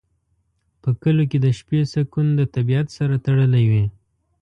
په کلیو کې د شپې سکون د طبیعت سره تړلی وي.